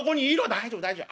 「大丈夫大丈夫。